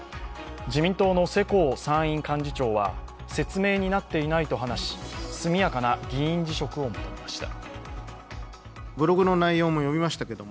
自民党の世耕参院幹事長は説明になっていないと話し速やかな議員辞職を求めました。